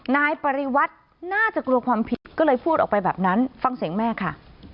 นายปริวัติน่าจะกลัวความผิดก็เลยพูดออกไปแบบนั้นฟังเสียงแม่ค่ะ